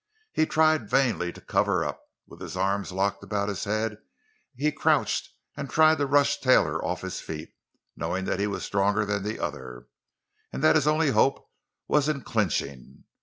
He tried vainly to cover up—with his arms locked about his head he crouched and tried to rush Taylor off his feet, knowing he was stronger than the other, and that his only hope was in clinching.